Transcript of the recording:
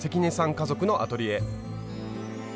家族のアトリエ。